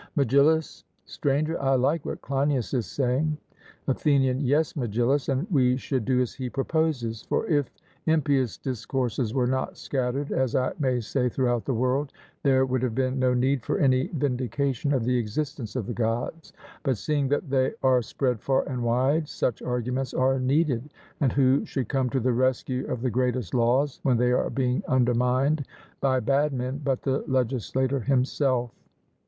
MEGILLUS: Stranger, I like what Cleinias is saying. ATHENIAN: Yes, Megillus, and we should do as he proposes; for if impious discourses were not scattered, as I may say, throughout the world, there would have been no need for any vindication of the existence of the Gods but seeing that they are spread far and wide, such arguments are needed; and who should come to the rescue of the greatest laws, when they are being undermined by bad men, but the legislator himself?